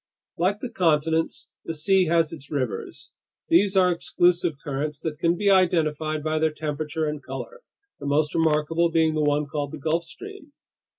Like the continents, the sea has its rivers. These are exclusive currents that can be identified by their temperature and color, the most remarkable being the one called the Gulf Stream.